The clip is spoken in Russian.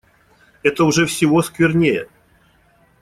Это уж всего сквернее!